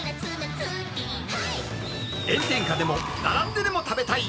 炎天下でも並んででも食べたい！